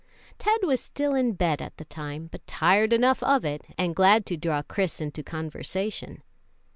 Ted was still in bed at the time, but tired enough of it, and glad to draw Chris into conversation.